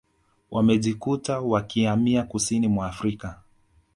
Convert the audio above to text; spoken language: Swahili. wamejikuta wakihamia kusini mwa Afrika